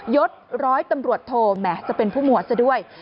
ยศร้อยตำรวจโทแหมจะเป็นผู้หมวดซะด้วย